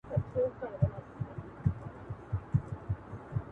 • خامخا به څه سُرور د پیالو راوړي,